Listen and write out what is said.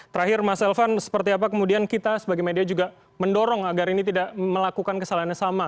terakhir mas elvan seperti apa kemudian kita sebagai media juga mendorong agar ini tidak melakukan kesalahan yang sama